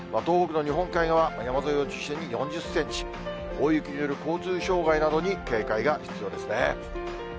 東北の日本海側、山沿いを中心に４０センチ、大雪による交通障害などに警戒が必要ですね。